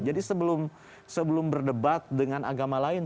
jadi sebelum berdebat dengan agama lain